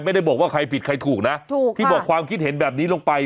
ไม่ได้บอกว่าใครผิดใครถูกนะถูกที่บอกความคิดเห็นแบบนี้ลงไป